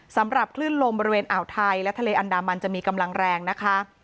สำหรับคลื่นลมบริเวณอ่าวไทยและทะเลอันดามันจะมีกำลังแรงนะคะ